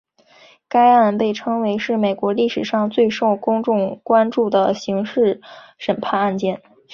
该案被称为是美国历史上最受公众关注的刑事审判案件。